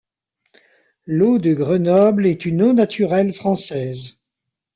L'eau de Grenoble est une eau naturelle française.